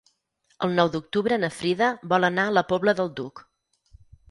El nou d'octubre na Frida vol anar a la Pobla del Duc.